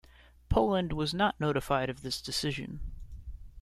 Poland was not notified of this decision.